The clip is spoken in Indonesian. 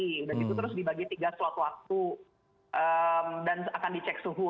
dan itu terus dibagi tiga slot waktu dan akan dicek suhu